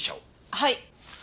はい。